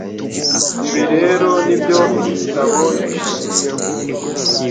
ibi rero ni byo iki gitabo gishingiye ho